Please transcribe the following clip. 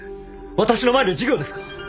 私の前で授業ですか！